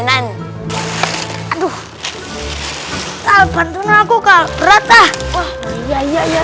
aduh bantuan aku kalah berat ah wah iya iya iya